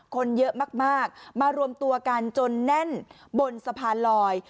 คนเยอะมากมารวมตัวกันจนแน่นบนสะพานลอย